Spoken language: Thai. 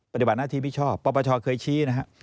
ปฏิบัติหน้าที่ไม่ชอบปปชเคยชี้นะฮะ